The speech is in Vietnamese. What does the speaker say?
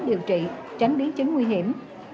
điều trị tránh biến chứng nguy hiểm